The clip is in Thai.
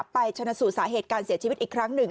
ชนะสูตรสาเหตุการเสียชีวิตอีกครั้งหนึ่ง